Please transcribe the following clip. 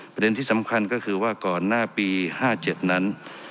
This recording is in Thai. ประเด็นที่สำคัญก็คือว่าก่อนหน้าปี๕๗นั้น